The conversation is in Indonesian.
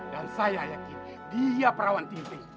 dan saya yakin dia perawan tindih